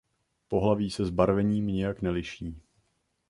Pohlaví se zbarvením nijak neliší.